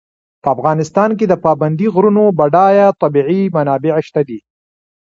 په افغانستان کې د پابندي غرونو بډایه طبیعي منابع شته دي.